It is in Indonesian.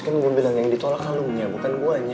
kan gue bilang yang ditolak kalungnya bukan gue